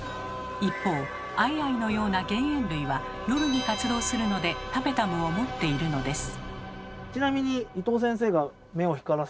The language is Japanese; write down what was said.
一方アイアイのような原猿類は夜に活動するのでタペタムを持っているのです。